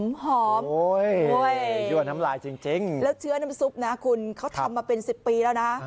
ยั่วน้ำลายจริงแล้วเชื้อน้ำซุปนะคุณเขาทำมาเป็น๑๐ปีแล้วนะ